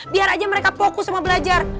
biar aja mereka fokus sama belajar